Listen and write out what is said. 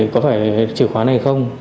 có phải chìa khóa này không